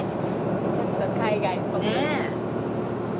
ちょっと海外っぽく。ねえ！